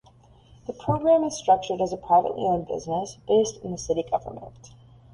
The program is structured as a privately owned business based in the city government.